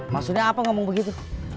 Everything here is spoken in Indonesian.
maksudnya apa ngomong begitu